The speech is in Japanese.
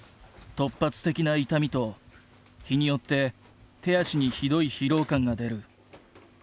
突発的な痛みと日によって手足にひどい疲労感が出る。